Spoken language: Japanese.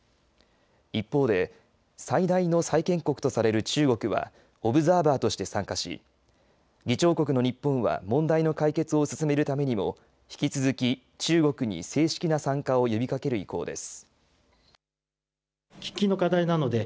一方で最大の債権国とされる中国はオブザーバーとして参加し議長国の日本は問題の解決を進めるためにも引き続き、中国に正式な参加を呼びかける意向です。